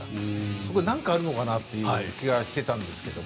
そこでなんかあるのかなという気がしてたんですけど